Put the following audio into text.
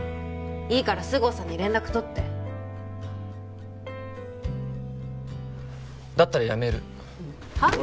いいから菅生さんに連絡取ってだったら辞めるはっ？